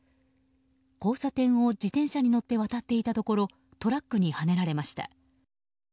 交差点を自転車に乗って渡っていたところトラックにはねられました。